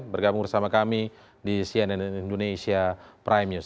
bergabung bersama kami di cnn indonesia prime news